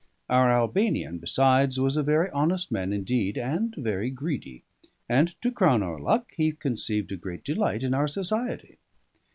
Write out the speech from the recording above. Our Albanian, besides, was a very honest man indeed, and very greedy; and, to crown our luck, he conceived a great delight in our society.